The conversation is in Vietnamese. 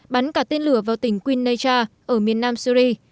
bắn cả tên lửa vào tỉnh qunecha ở miền nam syri